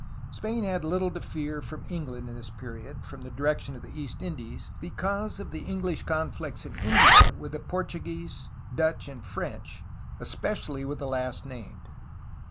Spain had Httle to fear from England in this period from the direction of the East Indies, because of the English conflicts in India with the Portuguese, Dutch, and French, especially with the last named.